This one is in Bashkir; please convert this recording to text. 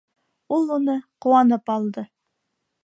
Ул уны ҡыуанып алды.